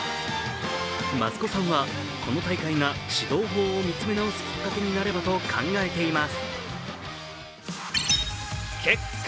益子さんはこの大会が指導法を見つめ直すきっかけになればと考えています。